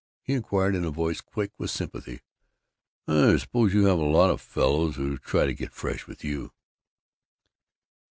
He inquired in a voice quick with sympathy: "I suppose you have a lot of fellows who try to get fresh with you."